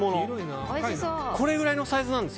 これぐらいのサイズなんです。